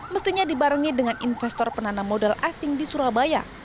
mestinya dibarengi dengan investor penanam modal asing di surabaya